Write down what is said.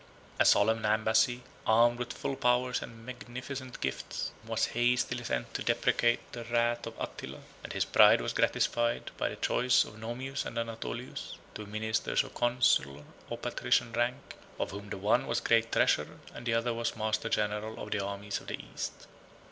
A solemn embassy, armed with full powers and magnificent gifts, was hastily sent to deprecate the wrath of Attila; and his pride was gratified by the choice of Nomius and Anatolius, two ministers of consular or patrician rank, of whom the one was great treasurer, and the other was master general of the armies of the East.